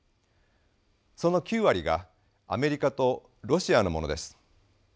その９割がアメリカとロシアのものです。